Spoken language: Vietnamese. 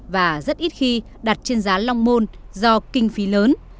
và rất ít khi đặt trên giá long môn do kinh phí lớn